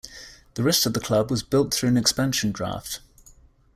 The rest of the club was built through an expansion draft.